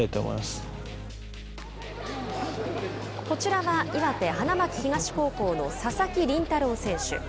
こちらは岩手花巻東高校の佐々木麟太郎選手。